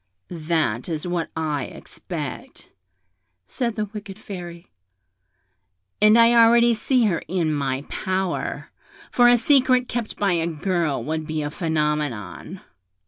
'That is what I expect,' said the wicked Fairy; 'and I already see her in my power; for a secret kept by a girl would be a phenomenon.'